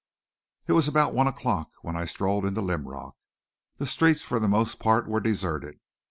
It was about one o'clock when I strode into Linrock. The streets for the most part were deserted.